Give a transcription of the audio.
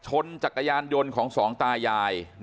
จักรยานยนต์ของสองตายาย